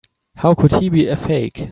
How could he be a fake?